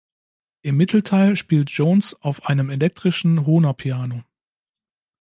Im Mittelteil spielt Jones auf einem elektrischen Hohner-Piano.